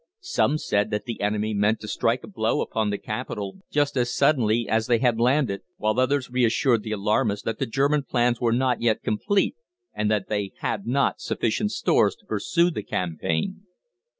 Some said that the enemy meant to strike a blow upon the capital just as suddenly as they had landed, while others reassured the alarmists that the German plans were not yet complete, and that they had not sufficient stores to pursue the campaign.